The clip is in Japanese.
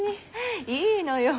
いいのよ。